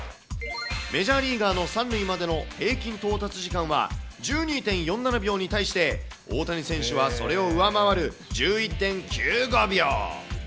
メジャーリーガーの３塁までの平均到達時間は、１２．４７秒に対して、大谷選手はそれを上回る１１．９５秒。